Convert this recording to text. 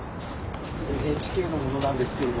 ＮＨＫの者なんですけれども。